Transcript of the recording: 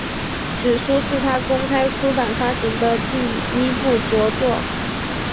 此书是他公开出版发行的第一部着作。